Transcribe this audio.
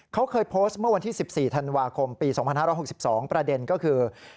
เขาเคยโพสต์เมื่อวันที่๑๔ธันวาคมปี๒๕๖๒ประเด็นก็คือ